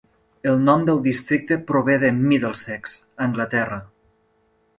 El nom del districte prové de Middlesex, Anglaterra.